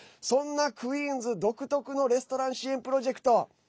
そんなクイーンズ独特のレストラン支援プロジェクト